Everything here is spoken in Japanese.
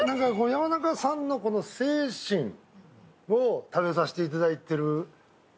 山中さんの精神を食べさせていただいている。